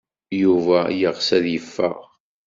Yuba yeɣs ad yeffeɣ.